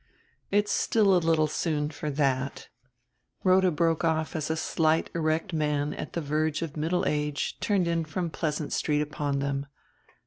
"It's still a little soon for that " Rhoda broke off as a slight erect man at the verge of middle age turned in from Pleasant Street upon them.